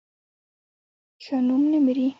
ښه نوم نه مري